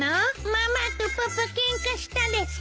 ママとパパケンカしたですか？